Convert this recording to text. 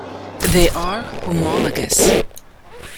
they are homologous.